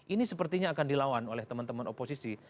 ini sepertinya akan dilawan oleh teman teman oposisi